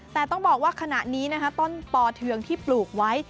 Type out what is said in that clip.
แต่ต้องบอกว่าขณะนี้นะคะต้นปอเทืองที่ปลูกไว้